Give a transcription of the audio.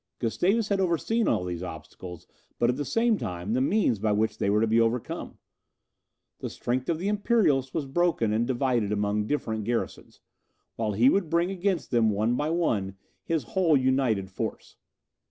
Gustavus had foreseen all these obstacles, but at the same time the means by which they were to be overcome. The strength of the Imperialists was broken and divided among different garrisons, while he would bring against them one by one his whole united force.